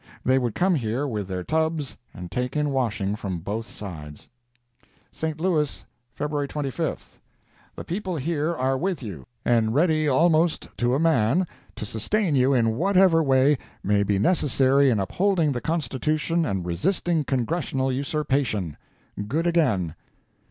They would come here with their tubs and take in washing from both sides. St. Louis, Feb. 25. The people here are with you, and ready almost to a man to sustain you in whatever way may be necessary in upholding the Constitution and resisting Congressional usurpation. Good again!